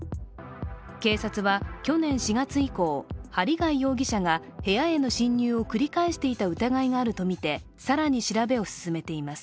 警察は去年４月以降、針谷容疑者が部屋への侵入を繰り返していた疑いがあるとみて更に調べを進めています。